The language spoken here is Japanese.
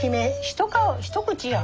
一口やん。